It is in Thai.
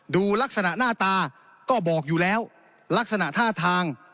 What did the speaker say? ดูลักษณะหน้าตาก็บอกอยู่แล้วลักษณะท่าทาง